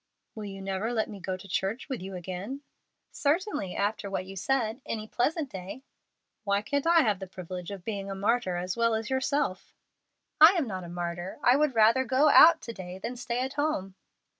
"Will you never let me go to church with you again?" "Certainly, after what you said, any pleasant day." "Why can't I have the privilege of being a martyr as well as yourself?" "I am not a martyr. I would far rather go out to day than stay at home."